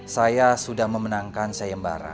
saya sudah memenangkan sayembara